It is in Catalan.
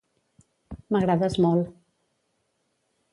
M'agrades molt.